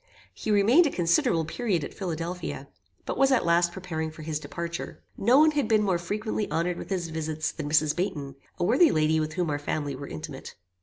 He remained a considerable period at Philadelphia, but was at last preparing for his departure. No one had been more frequently honoured with his visits than Mrs. Baynton, a worthy lady with whom our family were intimate.